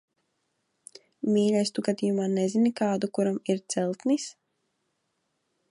Mīļais, tu gadījumā nezini kādu, kuram ir celtnis?